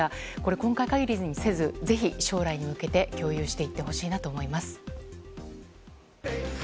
今回限りにせずぜひ将来に向けて共有していってほしいと思います。